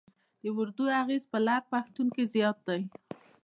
د اردو اغېز په لر پښتون کې زیات دی.